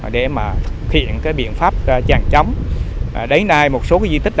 để thực hiện các di tích